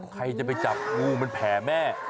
ใครจะไปจับงูมันแผ่แม่